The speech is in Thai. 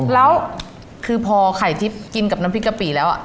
แล้วคือพอไข่ทิพย์กินกับน้ำพริกกะปิแล้ว